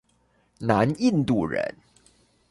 南印度人。